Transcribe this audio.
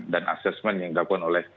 dan assessment yang dilakukan oleh